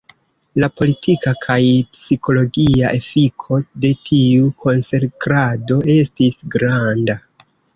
La politika kaj psikologia efiko de tiu konsekrado estis granda.